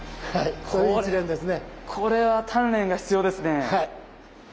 これは鍛錬が必要ですね。